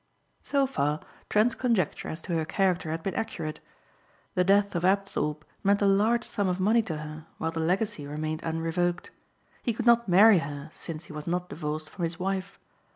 So far, Trent's conjecture as to her character had been accurate. The death of Apthorpe meant a large sum of money to her while the legacy remained unrevoked. He could not marry her since he was not divorced from his wife.